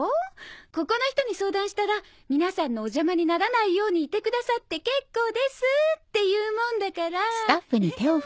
ここの人に相談したら皆さんのおじゃまにならないようにいてくださって結構ですって言うもんだから。